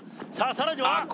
さらにはあ